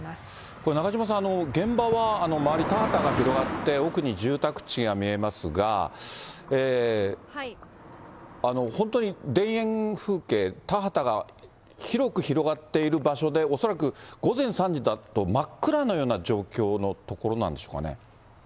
これ、中島さん、現場は周り田畑が広がって、奥に住宅地が見えますが、本当に田園風景、田畑が広く広がっている場所で、恐らく午前３時だと真っ暗のような状況の所なんでしょうかね。